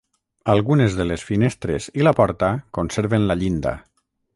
Algunes de les finestres i la porta conserven la llinda.